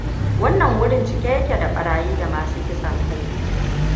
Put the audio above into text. Wannan wurin cike yake da barayi da masu kisan kai.